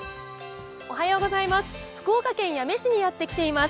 福岡県八女市にやってきています。